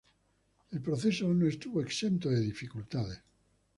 El proceso no estuvo exento de dificultades.